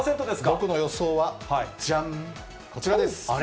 僕の予想は、じゃん、こちらです。